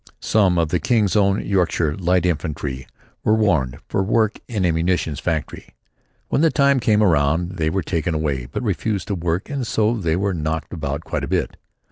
Some of the King's Own Yorkshire Light Infantry were "warned" for work in a munitions factory. When the time came around they were taken away but refused to work and so they were knocked about quite a bit.